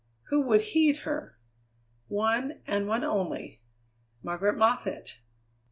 Who would heed her? One, and one only. Margaret Moffatt!